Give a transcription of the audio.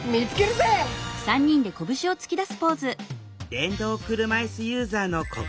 電動車いすユーザーの小暮さん。